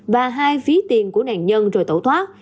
và hai phía tiền của nạn nhân rồi tẩu thoát